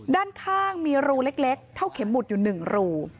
ด้านข้างมีรูเล็กเท่าเข็มหุดอยู่๑รู